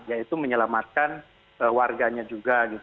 yaitu menyelamatkan warganya juga